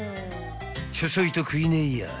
［ちょちょいと食いねえやい］